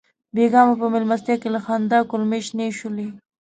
بېګا مو په مېلمستیا کې له خندا کولمې شنې شولې.